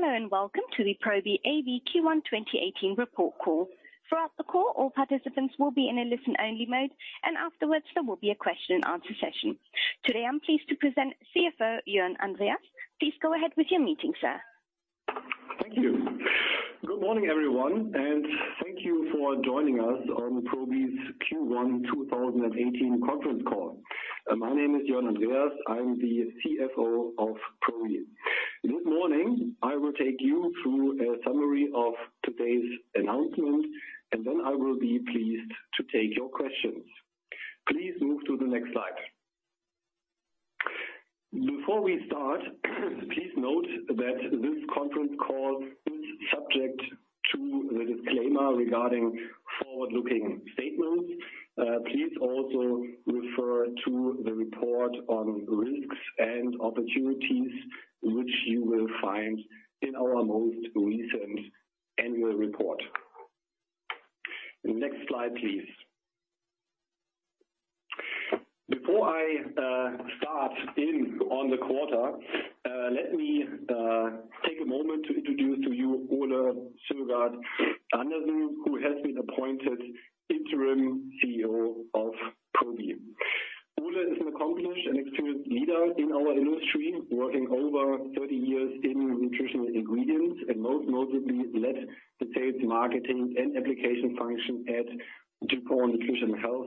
Hello. Welcome to the Probi AB Q1 2018 report call. Throughout the call, all participants will be in a listen-only mode. Afterwards, there will be a question and answer session. Today, I'm pleased to present CFO Jörn Andreas. Please go ahead with your meeting, sir. Thank you. Good morning, everyone. Thank you for joining us on Probi's Q1 2018 conference call. My name is Jörn Andreas. I'm the CFO of Probi. This morning, I will take you through a summary of today's announcement. Then I will be pleased to take your questions. Please move to the next slide. Before we start, please note that this conference call is subject to the disclaimer regarding forward-looking statements. Please also refer to the report on risks and opportunities, which you will find in our most recent annual report. Next slide, please. Before I start in on the quarter, let me take a moment to introduce to you Ole Søgaard Andersen, who has been appointed interim CEO of Probi. Ole is an accomplished and experienced leader in our industry, working over 30 years in nutritional ingredients, and most notably led the sales, marketing, and application function at DuPont Nutrition & Health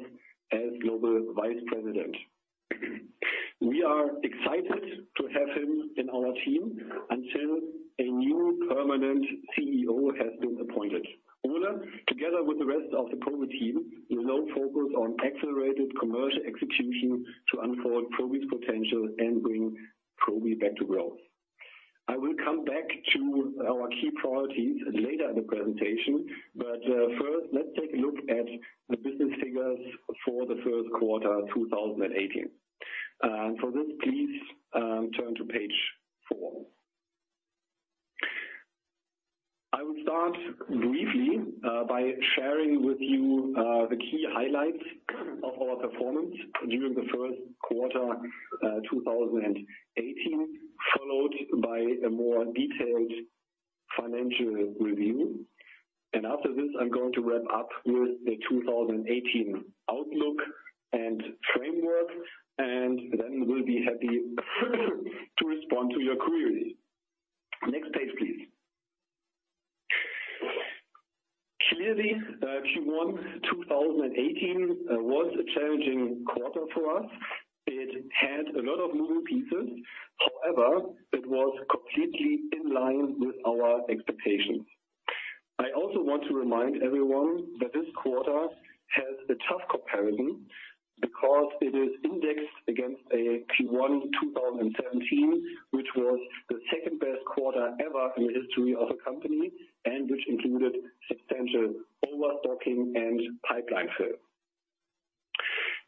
as Global Vice President. We are excited to have him in our team until a new permanent CEO has been appointed. Ole, together with the rest of the Probi team, is now focused on accelerated commercial execution to unfold Probi's potential and bring Probi back to growth. I will come back to our key priorities later in the presentation. First, let's take a look at the business figures for the first quarter 2018. For this, please turn to page four. I will start briefly by sharing with you the key highlights of our performance during the first quarter 2018, followed by a more detailed financial review. After this, I'm going to wrap up with the 2018 outlook and framework. Then we'll be happy to respond to your queries. Next page, please. Clearly, Q1 2018 was a challenging quarter for us. It had a lot of moving pieces. However, it was completely in line with our expectations. I also want to remind everyone that this quarter has a tough comparison because it is indexed against a Q1 2017, which was the second-best quarter ever in the history of the company and which included substantial overstocking and pipeline fill.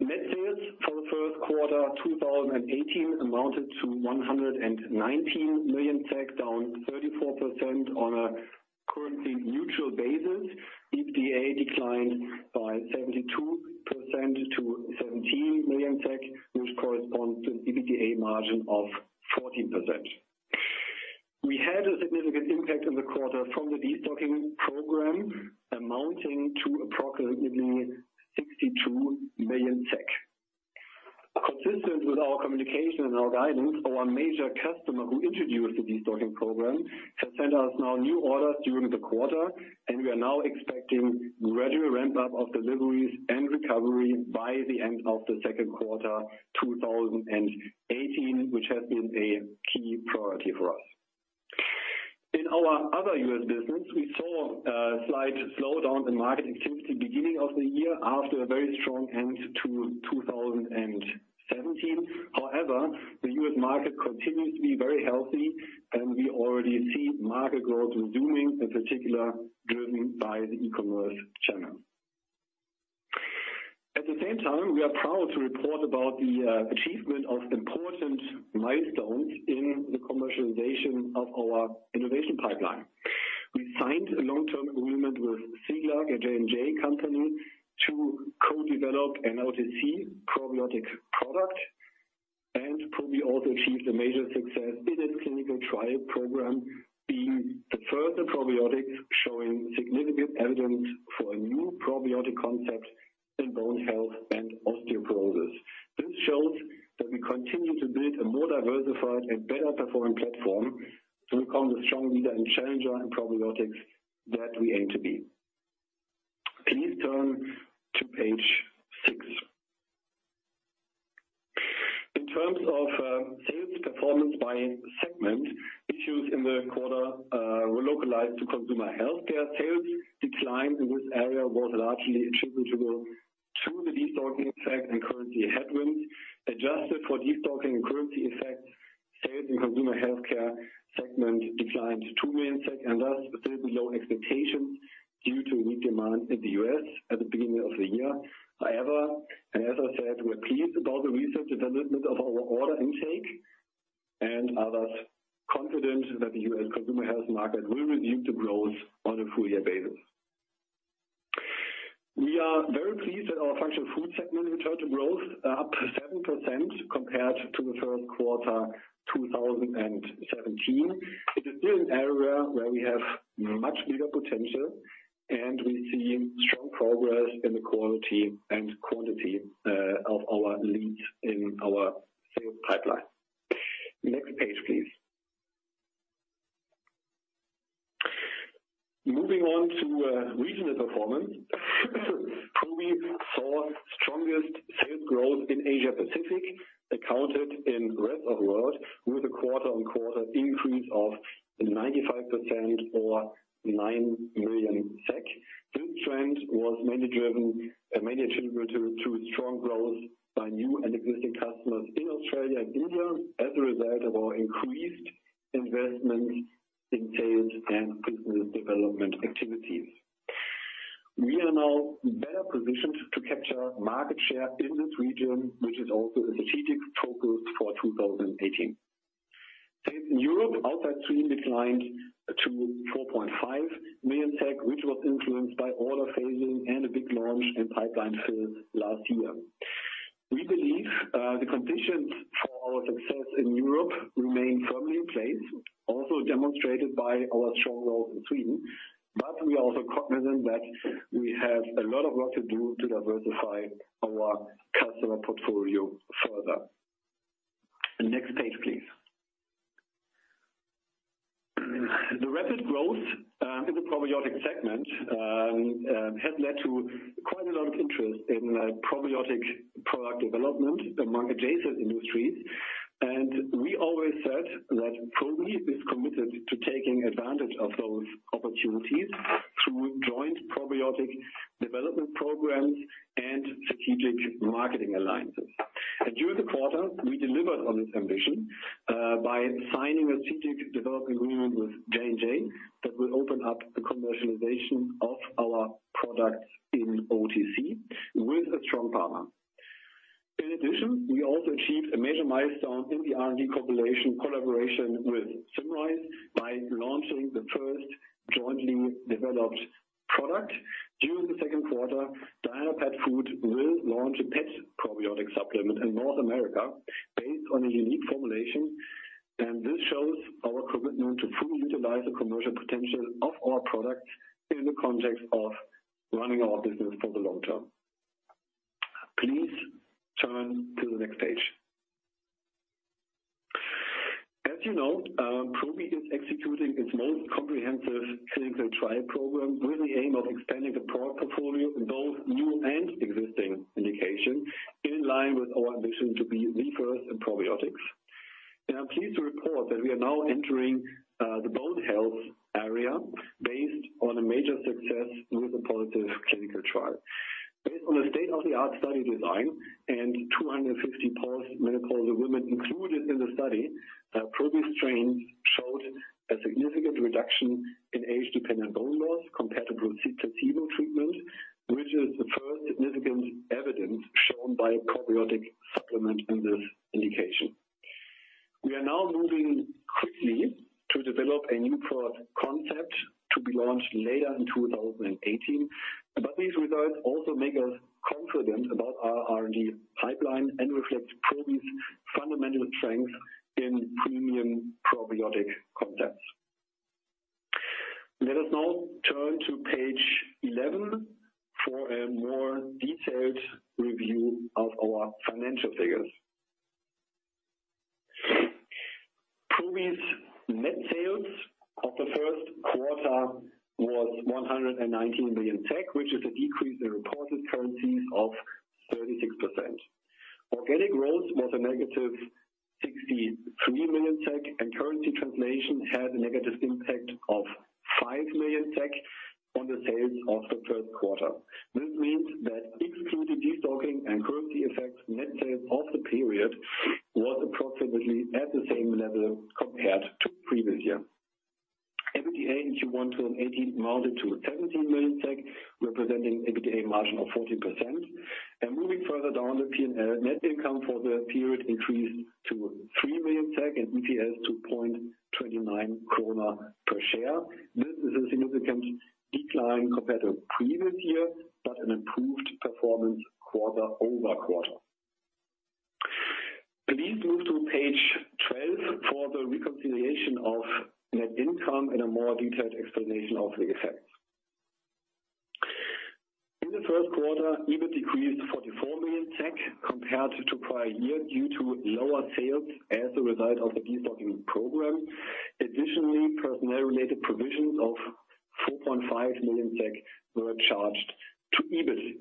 Net sales for the first quarter 2018 amounted to 119 million, down 34% on a currency-neutral basis. EBITDA declined by 72% to 17 million SEK, which corresponds to an EBITDA margin of 14%. We had a significant impact in the quarter from the destocking program amounting to approximately 62 million SEK. Consistent with our communication and our guidance, our major customer who introduced the destocking program has sent us now new orders during the quarter. We are now expecting gradual ramp-up of deliveries and recovery by the end of the second quarter 2018, which has been a key priority for us. In our other U.S. business, we saw a slight slowdown in market activity beginning of the year after a very strong end to 2017. The U.S. market continues to be very healthy, and we already see market growth resuming, in particular driven by the e-commerce channel. At the same time, we are proud to report about the achievement of important milestones in the commercialization of our innovation pipeline. We signed a long-term agreement with Cilag, a J&J company, to co-develop an OTC probiotic product. Probi also achieved a major success in its clinical trial program, being the first probiotic showing significant evidence for a new probiotic concept in bone health and osteoporosis. This shows that we continue to build a more diversified and better-performing platform to become the strong leader and challenger in probiotics that we aim to be. Please turn to page six. In terms of sales performance by segment, issues in the quarter were localized to consumer healthcare. Sales decline in this area was largely attributable to the destocking effect and currency headwinds. Adjusted for destocking and currency effects, sales in consumer healthcare segment declined 2 million and thus fell below expectations due to weak demand in the U.S. at the beginning of the year. As I said, we're pleased about the recent development of our order intake and are thus confident that the U.S. consumer health market will resume to growth on a full-year basis. We are very pleased that our functional foods segment returned to growth, up 7% compared to the first quarter 2017. It is still an area where we have much bigger potential. We see strong progress in the quality and quantity of our leads in our sales pipeline. Next page, please. Moving on to regional performance, Probi saw strongest sales growth in Asia Pacific, accounted in rest of world with a quarter-on-quarter increase of 95% or 9 million SEK. This trend was mainly attributable to strong growth by new and existing customers in Australia and India as a result of our increased investments in sales and business development activities. We are now better positioned to capture market share in this region, which is also a strategic focus for 2018. Sales in Europe outside Sweden declined to 4.5 million, which was influenced by order phasing and a big launch in pipeline sales last year. We believe the conditions for our success in Europe remain firmly in place, also demonstrated by our strong growth in Sweden. We are also cognizant that we have a lot of work to do to diversify our customer portfolio further. Next page, please. The rapid growth in the probiotic segment has led to quite a lot of interest in probiotic product development among adjacent industries. We always said that Probi is committed to taking advantage of those opportunities through joint probiotic development programs and strategic marketing alliances. During the quarter, we delivered on this ambition by signing a strategic development agreement with J&J that will open up the commercialization of our products in OTC with a strong partner. In addition, we also achieved a major milestone in the R&D collaboration with Symrise by launching the first jointly developed product. During the second quarter, Diana Pet Food will launch a pet probiotic supplement in North America based on a unique formulation. This shows our commitment to fully utilize the commercial potential of our products in the context of running our business for the long term. Please turn to the next page. As you know, Probi is executing its most comprehensive clinical trial program with the aim of expanding the product portfolio in both new and existing indications in line with our ambition to be the first in probiotics. I'm pleased to report that we are now entering the bone health area based on a major success with a positive clinical trial. Based on a state-of-the-art study design and 250 post-menopausal women included in the study, Probi strain showed a significant reduction in age-dependent bone loss compared to placebo treatment, which is the first significant evidence shown by a probiotic supplement in this indication. We are now moving quickly to develop a new product concept to be launched later in 2018. These results also make us confident about our R&D pipeline and reflect Probi's fundamental strength in premium probiotic concepts. Let us now turn to page 11 for a more detailed review of our financial figures. Probi's net sales of the first quarter was 119 million, which is a decrease in reported currencies of 36%. Organic growth was a negative 63 million SEK, and currency translation had a negative impact of 5 million SEK on the sales of the first quarter. This means that excluding destocking and currency effects, net sales of the period was approximately at the same level compared to previous year. EBITDA in Q1 2018 amounted to 17 million SEK, representing EBITDA margin of 14%. Moving further down the P&L, net income for the period increased to 3 million SEK and EPS to 0.29 krona per share. This is a significant decline compared to previous year, but an improved performance quarter-over-quarter. Please move to page 12 for the reconciliation of net income and a more detailed explanation of the effects. In the first quarter, EBIT decreased 44 million SEK compared to prior year due to lower sales as a result of the destocking program. Additionally, personnel-related provisions of 4.5 million SEK were charged to EBIT.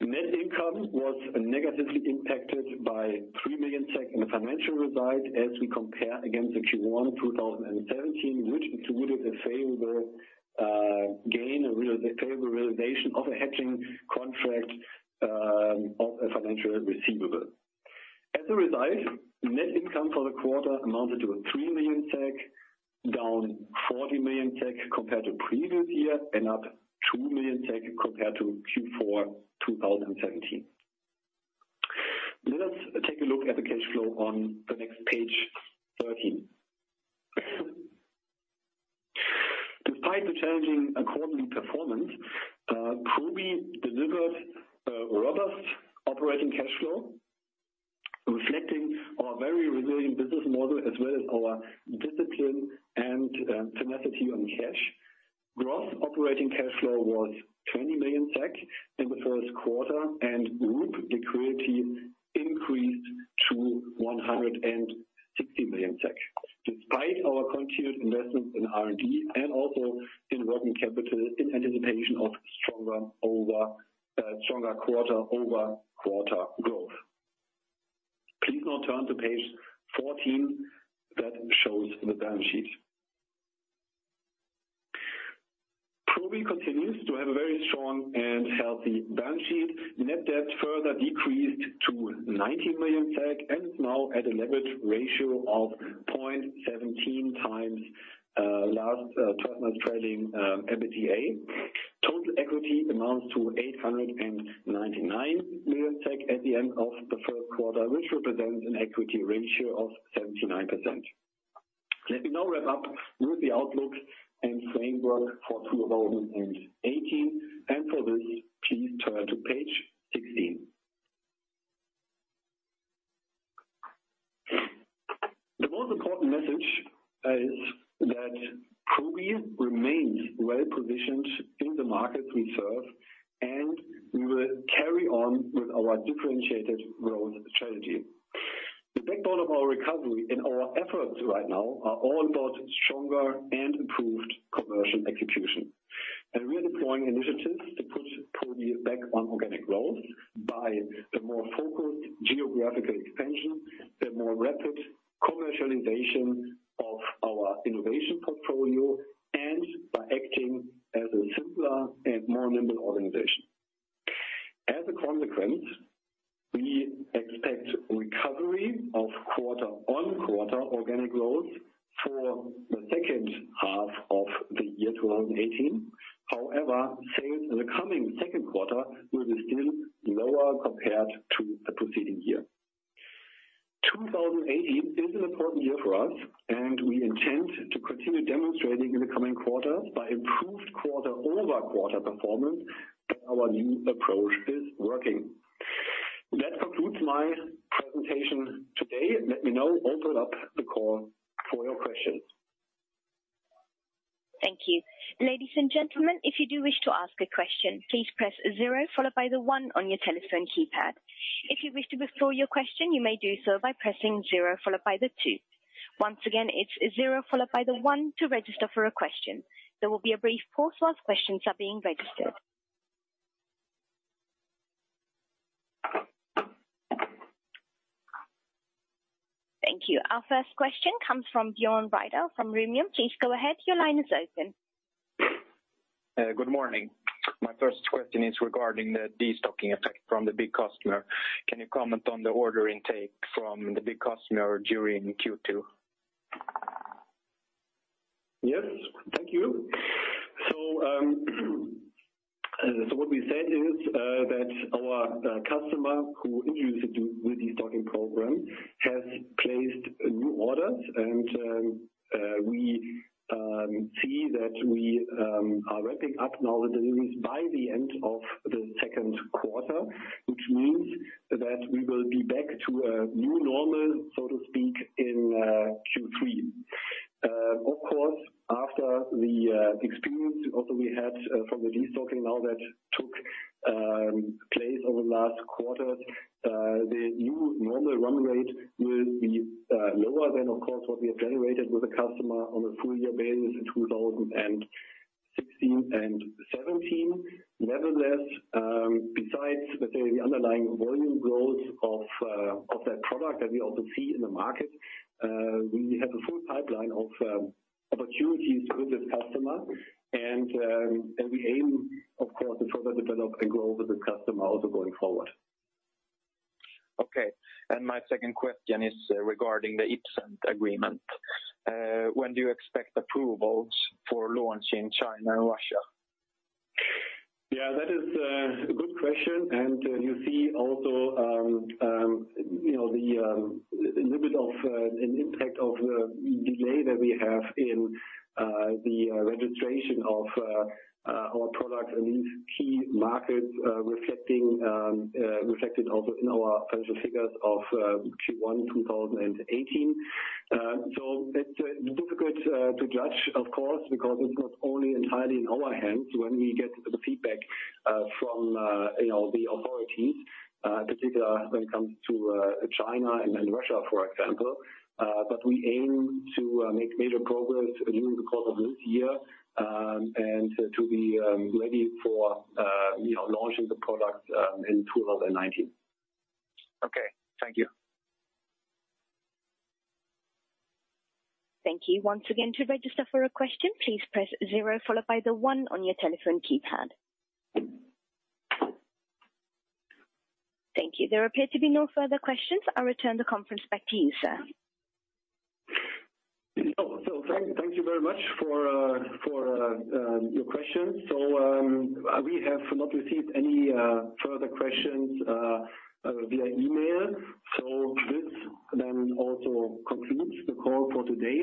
Net income was negatively impacted by 3 million SEK in the financial result as we compare against Q1 2017, which included a favorable gain, a favorable realization of a hedging contract of a financial receivable. As a result, net income for the quarter amounted to 3 million SEK, down 40 million SEK compared to previous year and up 2 million SEK compared to Q4 2017. Let us take a look at the cash flow on the next page 13. Despite the challenging and quarterly performance, Probi delivered a robust operating cash flow, reflecting our very resilient business model as well as our discipline and tenacity on cash. Gross operating cash flow was 20 million SEK in the first quarter. Group liquidity increased to 160 million SEK, despite our continued investments in R&D and also in working capital in anticipation of stronger quarter-over-quarter growth. Please now turn to page 14 that shows the balance sheet. Probi continues to have a very strong and healthy balance sheet. Net debt further decreased to 90 million SEK and is now at a leverage ratio of 0.17 times last 12 months trailing EBITDA. Total equity amounts to 899 million SEK at the end of the first quarter, which represents an equity ratio of 79%. Let me now wrap up with the outlook and framework for 2018. For this, please turn to page 16. The most important message is that Probi remains well-positioned in the markets we serve, and we will carry on with our differentiated growth strategy. The backbone of our recovery and our efforts right now are all about stronger and improved commercial execution. We are deploying initiatives to put Probi back on organic growth by the more focused geographical expansion, the more rapid commercialization of our innovation portfolio, and by acting as a simpler and more nimble organization. As a consequence, we expect recovery of quarter-on-quarter organic growth for the second half of the year 2018. However, sales in the coming second quarter will be still lower compared to the preceding year. 2018 is an important year for us. We intend to continue demonstrating in the coming quarters by improved quarter-over-quarter performance that our new approach is working. That concludes my presentation today. Let me now open up the call for your questions. Thank you. Ladies and gentlemen, if you do wish to ask a question, please press zero followed by the one on your telephone keypad. If you wish to withdraw your question, you may do so by pressing zero followed by the two. Once again, it's zero followed by the one to register for a question. There will be a brief pause while questions are being registered. Thank you. Our first question comes from Björn Rydell from Redeye. Please go ahead. Your line is open. Good morning. My first question is regarding the de-stocking effect from the big customer. Can you comment on the order intake from the big customer during Q2? Yes, thank you. What we said is that our customer who introduced the destocking program has placed new orders, and we see that we are ramping up now the deliveries by the end of the second quarter, which means that we will be back to a new normal, so to speak, in Q3. Of course, after the experience also we had from the destocking now that took place over the last quarter, the new normal run rate will be lower than, of course, what we have generated with the customer on a full year basis in 2016 and 2017. Nevertheless, besides, let's say, the underlying volume growth of that product that we also see in the market, we have a full pipeline of opportunities with this customer. We aim, of course, to further develop and grow with this customer also going forward. Okay. My second question is regarding the Ipsen agreement. When do you expect approvals for launch in China and Russia? Yes, that is a good question. You see also the little bit of an impact of the delay that we have in the registration of our product in these key markets reflected also in our financial figures of Q1 2018. It's difficult to judge, of course, because it's not only entirely in our hands when we get the feedback from the authorities, particularly when it comes to China and Russia, for example. We aim to make major progress during the course of this year, to be ready for launching the product in 2019. Okay. Thank you. Thank you. Once again, to register for a question, please press zero followed by the one on your telephone keypad. Thank you. There appear to be no further questions. I'll return the conference back to you, sir. Thank you very much for your questions. We have not received any further questions via email, so this then also concludes the call for today.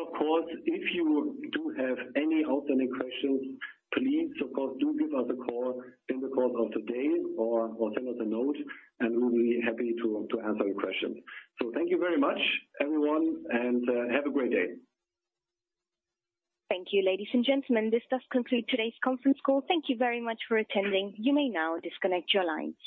Of course, if you do have any outstanding questions, please, of course, do give us a call in the course of the day or send us a note, and we'll be happy to answer your questions. Thank you very much, everyone, and have a great day. Thank you, ladies and gentlemen. This does conclude today's conference call. Thank you very much for attending. You may now disconnect your lines.